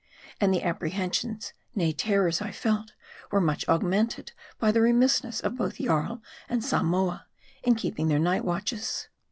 And the apprehensions, nay terrors I felt, were much augmented by the remissness of both Jarl and Samoa, in keeping their night watches.